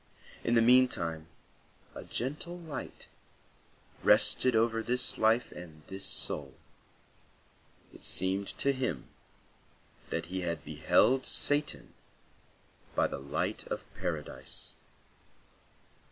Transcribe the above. In the meantime a gentle light rested over this life and this soul. It seemed to him that he beheld Satan by the light of Paradise.